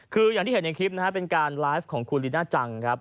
คืออย่างที่เห็นในคลิปนะฮะเป็นการไลฟ์ของคุณลีน่าจังครับ